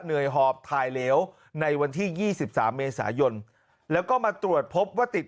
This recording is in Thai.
หอบถ่ายเหลวในวันที่๒๓เมษายนแล้วก็มาตรวจพบว่าติด